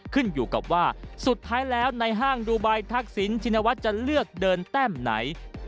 ขึ้นอยู่กับว่าสุดท้ายแล้วในห้างดูไบทักษิณชินวัฒน์จะเลือกเดินแต้มไหน